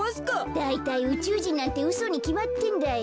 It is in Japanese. だいたいうちゅうじんなんてうそにきまってんだよ。